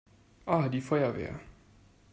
Ah, die Feuerwehr!